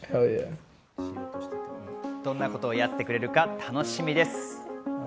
どんなことをやってくれるのか楽しみです。